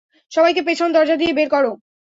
সবাইকে পেছন দরজা দিয়ে বের কর।